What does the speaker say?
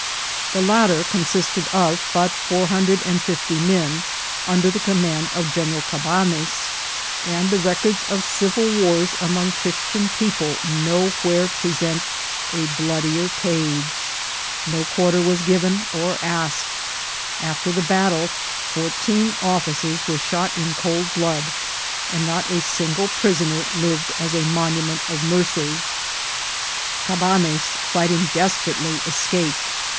The latter consisted of but four hundred and fiftjr men, under the command of General Cabanes^ and the records of civil wars among Christian people nowhere (Hresent a bloodier page. No quarter was giv* en or asked. After the battle, fourteen officers were shot in cold blood, and not a single prisoner lived as a monument of mercy* Cabanes, fighting desperately, escaped.